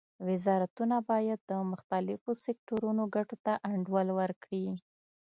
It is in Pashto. وزارتونه باید د مختلفو سکتورونو ګټو ته انډول ورکړي